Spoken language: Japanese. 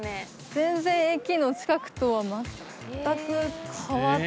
全然駅の近くとは全く変わって。